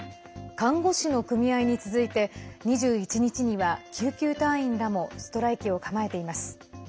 看護師の組合に続いて２１日には救急隊員らもストライキを構えています。